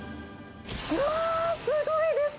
うわー、すごいです。